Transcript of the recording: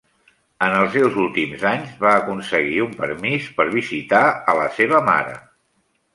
En els seus últims anys va aconseguir un permís per visitar a la seva mare.